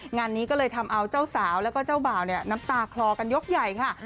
งานนี้ก็เลยทำเอาเจ้าสาวแล้วก็เจ้าบ่าวเนี่ยน้ำตาคลอกันยกใหญ่ค่ะ